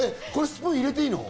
スプーン入れていいの？